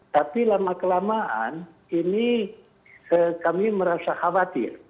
tapi lama kelamaan ini kami merasa khawatir